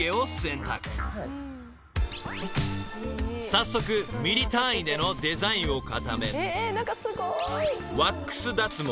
［早速ミリ単位でのデザインを固め］